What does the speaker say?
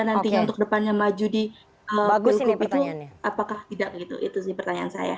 nantinya untuk depannya maju di kursi lipiting apakah tidak begitu itu sih pertanyaan saya